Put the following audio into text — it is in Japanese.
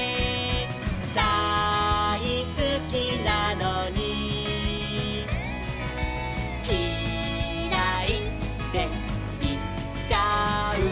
「だいすきなのにキライっていっちゃう」